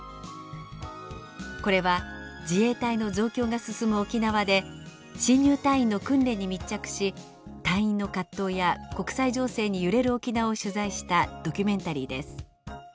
これは自衛隊の増強が進む沖縄で新入隊員の訓練に密着し隊員の葛藤や国際情勢に揺れる沖縄を取材したドキュメンタリーです。